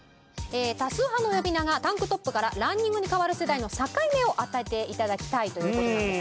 多数派の呼び名がタンクトップからランニングに変わる世代の境目を当てて頂きたいという事なんですね。